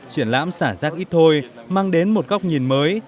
triển lãm xả rác ít thôi mang đến một góc nhìn mới